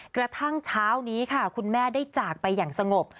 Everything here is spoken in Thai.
กระทั่งเช้านี้ค่ะคุณแม่ได้จากไปอย่างสงบ